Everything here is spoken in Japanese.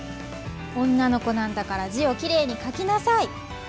女の子なんだから字をきれいに書きなさい。